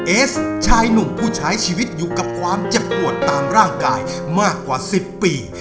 เอสชายหนุ่มผู้ใช้ชีวิตอยู่กับความเจ็บปวดตามร่างกายมากกว่า๑๐ปี